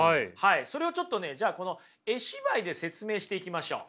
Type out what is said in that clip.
それをちょっとねじゃあこの絵芝居で説明していきましょう。